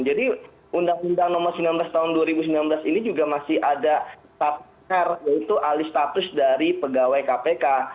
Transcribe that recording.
jadi undang undang nomor sembilan belas tahun dua ribu sembilan belas ini juga masih ada alih status dari pegawai kpk